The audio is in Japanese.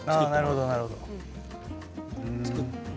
なるほど、なるほど。